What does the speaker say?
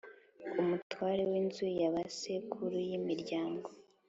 Umutware w inzu ya ba sekuru y imiryango